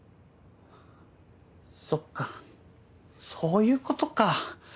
そっかそういうことか。